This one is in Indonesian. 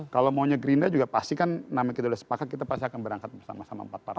kalau maunya gerindra juga pasti kan nama kita sudah sepakat kita pasti akan berangkat bersama sama empat partai